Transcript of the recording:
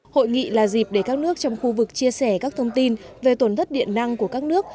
hội nghị là dịp để các nước trong khu vực chia sẻ các thông tin về tổn thất điện năng của các nước